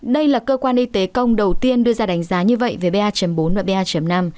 đây là cơ quan y tế công đầu tiên đưa ra đánh giá như vậy về ba bốn và ba năm